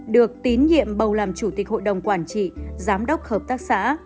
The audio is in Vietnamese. được tín nhiệm bầu làm chủ tịch hội đồng quản trị giám đốc hợp tác xã